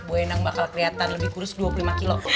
bu endang bakal kelihatan lebih kurus dua puluh lima kilo